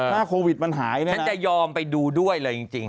ถ้าโควิดมันหายแล้วนะครับฉันจะยอมไปดูด้วยเลยจริงจริง